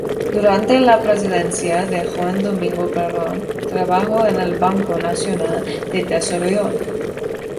Durante la presidencia de Juan Domingo Perón trabajó en el Banco Nacional de Desarrollo.